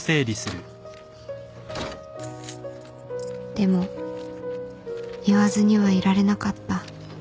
でも言わずにはいられなかった